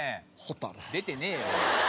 出てねえよお前。